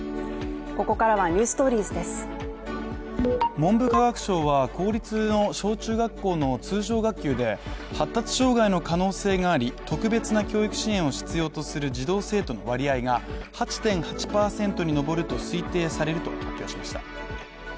文部科学省は公立の小中学校の通常学級で発達障害の可能性があり特別な教育支援を必要とする児童生徒の割合が８．８％に上ると推定されると発表しました。